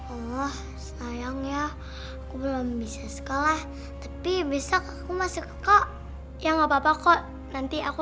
allah sayang ya belum bisa sekolah tapi besok aku masuk kok yang apa apa kok nanti aku